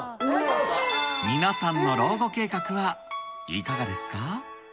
皆さんの老後計画はいかがですか。